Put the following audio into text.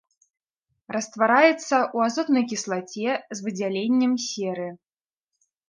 Раствараецца ў азотнай кіслаце з выдзяленнем серы.